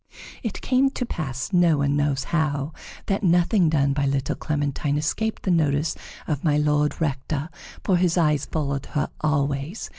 It came to pass, no one knows how, that nothing done by little Clementine escaped the notice of My Lord Rector, for his eyes followed her always.